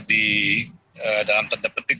di dalam tanda petik